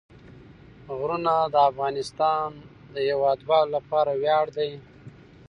غرونه د افغانستان د هیوادوالو لپاره ویاړ دی.